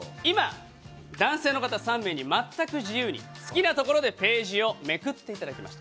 今、男性の方３名にまったく自由に好きなところでページをめくっていただきました。